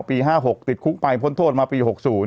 ๕๖ติดคุกไปพ้นโทษมาปี๖๐